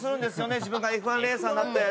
自分がＦ１レーサーになったやつ。